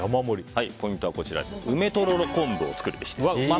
ポイントは梅とろろ昆布を作るべしです。